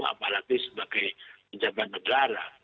apalagi sebagai pejabat negara